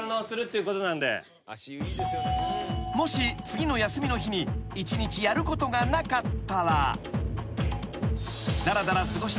［もし次の休みの日に一日やることがなかったら］